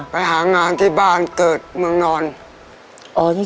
ไปหางานที่บ้านเกิดเมืองนอน